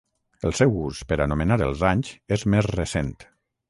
El seu ús per anomenar els anys és més recent.